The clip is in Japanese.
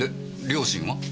両親は？